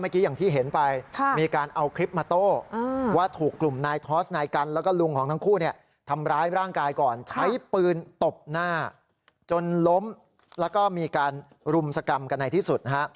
จนล้มแล้วก็มีการรุมสกรรมกันในที่สุด